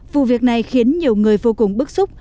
vụ việc này khiến nhiều người vô cùng bức xúc